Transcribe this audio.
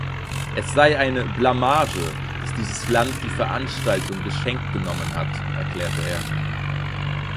Es sei eine „Blamage, dass dieses Land die Veranstaltung geschenkt genommen hat“, erklärte er.